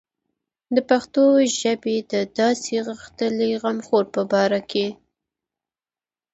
د پښتو ژبې د داسې غښتلي غمخور په باره کې.